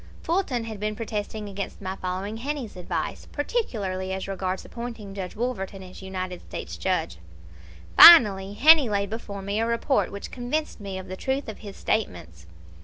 Fulton had been protesting against my following Heney's advice, particularly as regards appointing Judge Wolverton as United States Judge. Finally Heney laid before me a report which convinced me of the truth of his statements.